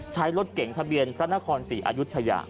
ใช้รถเก่งทะเบียนพระราชนคร๔อศ